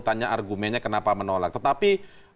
tanya argumennya kenapa menolak tetapi